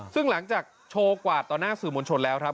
ซึ่งหลังจากโชว์กวาดต่อหน้าสื่อมวลชนแล้วครับ